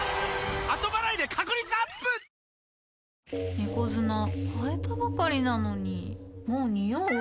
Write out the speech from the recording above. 猫砂替えたばかりなのにもうニオう？